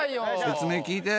説明聞いて。